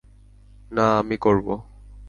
না, আমি করব।